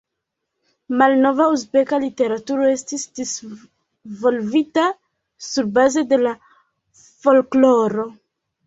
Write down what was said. Malnova uzbeka literaturo estis disvolvita surbaze de la folkloro.